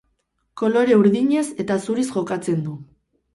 Kolore urdinez eta zuriz jokatzen du.